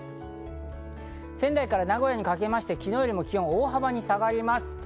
仙台から名古屋にかけまして昨日よりも気温が大幅に下がります。